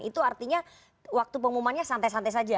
itu artinya waktu pengumumannya santai santai saja